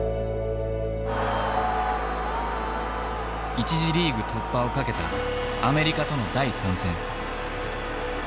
一次リーグ突破をかけたアメリカとの第３戦。